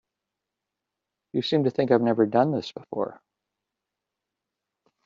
You seem to think I've never done this before.